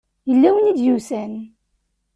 Yella win i d-yusan.